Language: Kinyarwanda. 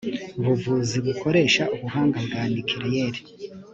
buvuzi bukoresha ubuhanga bwa nuclear